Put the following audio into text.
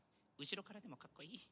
後ろからでもかっこいい。